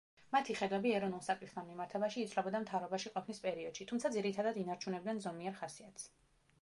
მათი ხედვები ეროვნულ საკითხთან მიმართებაში იცვლებოდა მთავრობაში ყოფნის პერიოდში, თუმცა ძირითადად ინარჩუნებდნენ ზომიერ ხასიათს.